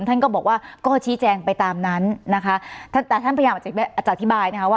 ท่านก็บอกว่าก็ชี้แจงไปตามนั้นนะคะท่านแต่ท่านพยายามอาจจะอธิบายนะคะว่า